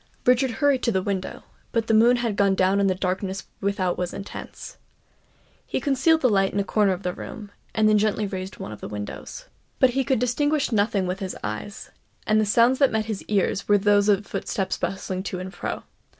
Richard hurried to the window; but the moon had gone down and the darkness without was intense. He concealed the light in a corner of the room, and then gently raised one of the windows. But he could distinguish nothing with his eyes; and the sounds that met his ears were those of footsteps bustling to and fro.